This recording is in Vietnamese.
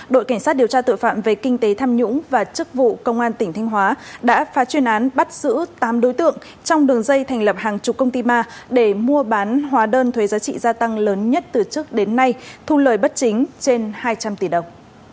đội cảnh sát điều tra tội phạm về kinh tế tham nhũng và chức vụ công an tỉnh thanh hóa đã phá chuyên án bắt giữ tám đối tượng trong đường dây thành lập hàng chục công ty ma để mua bán hóa đơn thuế giá trị gia tăng lớn nhất từ trước đến nay thu lời bất chính trên hai trăm linh tỷ đồng